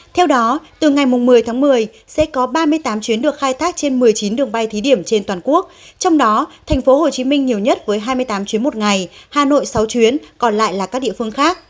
theo đó từ ngày một mươi tháng một mươi sẽ có ba mươi tám chuyến được khai tác trên một mươi chín đường bay thí điểm trên toàn quốc trong đó thành phố hồ chí minh nhiều nhất với hai mươi tám chuyến một ngày hà nội sáu chuyến còn lại là các địa phương khác